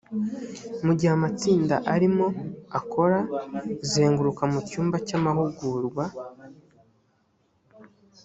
mu gihe amatsinda arimo akora zenguruka mu cyumba cy amahugurwa